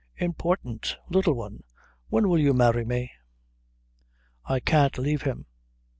"Important! Little One, when will you marry me?" "I can't leave him."